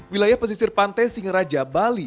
wilayah pesisir pantai singaraja bali